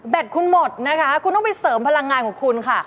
คุณหมดนะคะคุณต้องไปเสริมพลังงานของคุณค่ะ